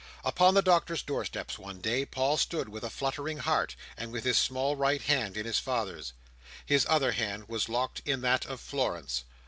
Upon the Doctor's door steps one day, Paul stood with a fluttering heart, and with his small right hand in his father's. His other hand was locked in that of Florence.